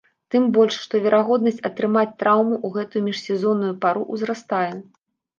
Тым больш, што верагоднасць атрымаць траўму ў гэтую міжсезонную пару ўзрастае.